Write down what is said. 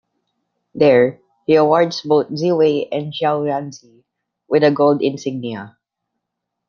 There, he awards both Ziwei and Xiaoyanzi with a gold insignia.